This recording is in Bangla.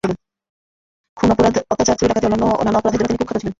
খুন, অত্যাচার, চুরি-ডাকাতি ও অন্যান্য নানা অপরাধের জন্য তিনি কুখ্যাত ছিলেন।